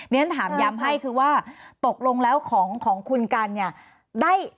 ดังนั้นถามย้ำให้คือว่าตกลงแล้วของคุณกันเนี่ย